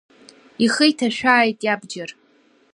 Ихы иҭашәааит иабџьар!